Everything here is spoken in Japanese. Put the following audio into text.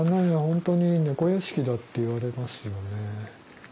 本当に猫屋敷だって言われますよね。